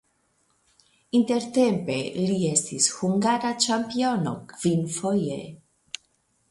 Intertempe li estis hungara ĉampiono kvinfoje.